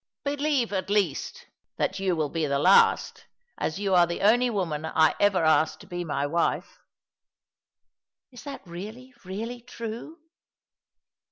" Believe, at least, that you will be the last, as you are the only woman I ever asked to be my wife." " Is that really, really true